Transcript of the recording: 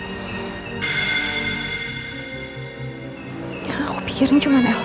bener bener khawatir sekali sama elsa